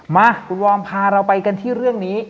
มาคุณวอร์มพาเราไปกันที่เรื่องนี้